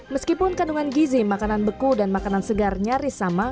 meskipun kandungan gizi makanan beku dan makanan segar nyaris sama